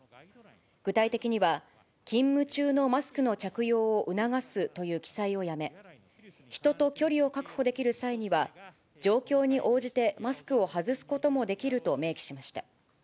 具体的には、勤務中のマスクの着用を促すという記載をやめ、人と距離を確保できる際には、状況に応じてマスクを外すこともできると明記しました。